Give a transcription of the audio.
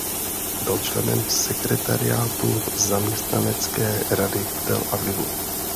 Byl členem sekretariátu zaměstnanecké rady v Tel Avivu.